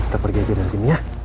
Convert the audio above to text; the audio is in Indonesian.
kita pergi aja dari sini ya